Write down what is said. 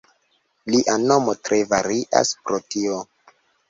Lia nomo tre varias pro tio.